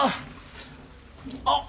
あっ。